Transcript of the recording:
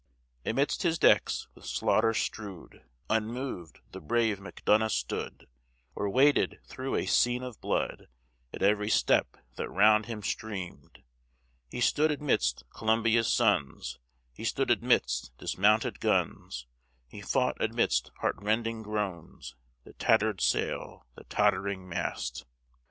Amidst his decks, with slaughter strewed, Unmoved, the brave Macdonough stood, Or waded through a scene of blood, At every step that round him streamed: He stood amidst Columbia's sons, He stood amidst dismounted guns, He fought amidst heart rending groans, The tattered sail, the tottering mast.